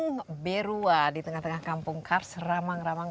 ya saya saat ini berada di kampung berua di tengah tengah kampung kars ramang ramang